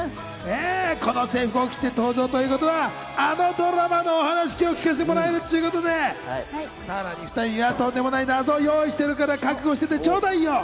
この制服を着て登場ということはあのドラマのお話、今日聞かせてもらえるっちゅうことでさらに２人にはとんでもない謎を用意してるから覚悟しててちょうだいよ。